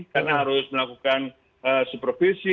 karena harus melakukan supervisi